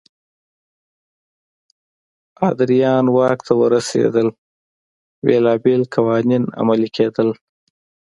ادریان واک ته ورسېدل بېلابېل قوانین عملي کېدل.